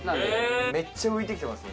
めっちゃ浮いてきてます